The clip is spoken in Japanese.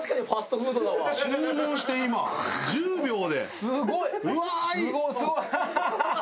注文して今１０秒で。